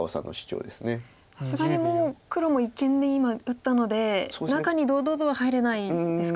さすがにもう黒も一間で今打ったので中に堂々とは入れないですか。